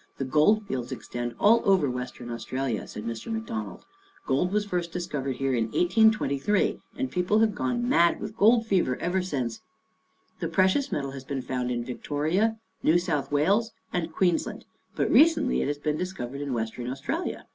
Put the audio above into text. " The Gold Fields extend all over Western Australia," said Mr. McDonald. " Gold was first discovered here in 1823 and people have gone mad with gold fever ever since. The pre cious metal has been found in Victoria, New South Wales and Queensland, but recently it has been discovered in Western Australia.